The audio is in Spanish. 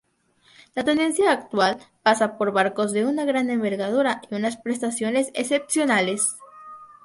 La tendencia actual pasa por barcos de una gran envergadura y unas prestaciones excepcionales.